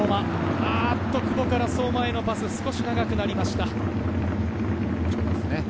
久保から相馬へのパスは少し長くなりました。